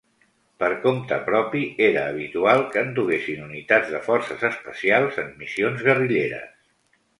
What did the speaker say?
Per compte propi, era habitual que en duguessin unitats de forces especials en missions guerrilleres.